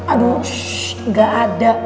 aduh shhh gak ada